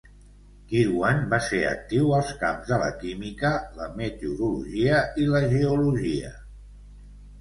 Kirwan va ser actiu als camps de la química, la meteorologia i la geologia.